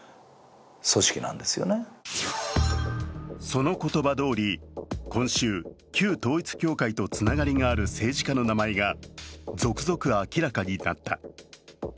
その言葉どおり、今週、旧統一教会とつながりがある政治家の名前が続々明らかになった。